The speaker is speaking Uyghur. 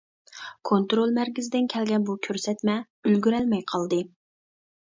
كونترول مەركىزىدىن كەلگەن بۇ كۆرسەتمە ئۈلگۈرەلمەي قالدى.